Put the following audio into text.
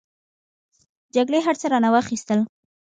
جګړې هر څه رانه واخستل.